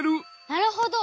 なるほど！